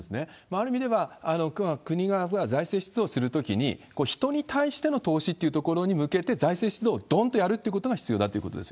ある意味では、国が財政出動するときに、人に対しての投資というところに向けて財政出動をどんとやるってそうですね。